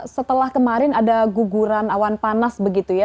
setelah kemarin ada guguran awan panas begitu ya